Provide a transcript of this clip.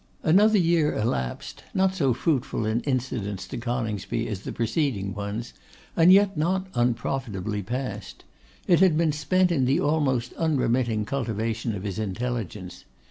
Another year elapsed; not so fruitful in incidents to Coningsby as the preceding ones, and yet not unprofitably passed. It had been spent in the almost unremitting cultivation of his intelligence.